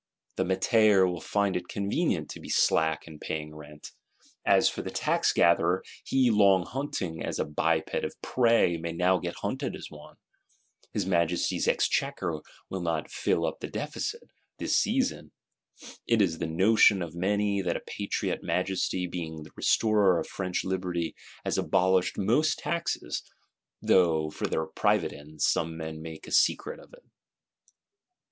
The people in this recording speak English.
The métayer will find it convenient to be slack in paying rent. As for the Tax gatherer, he, long hunting as a biped of prey, may now get hunted as one; his Majesty's Exchequer will not "fill up the Deficit," this season: it is the notion of many that a Patriot Majesty, being the Restorer of French Liberty, has abolished most taxes, though, for their private ends, some men make a secret of it.